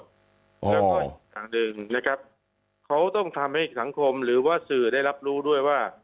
แล้วก็อีกอย่างหนึ่งนะครับเขาต้องทำให้สังคมหรือว่าสื่อได้รับรู้ด้วยว่า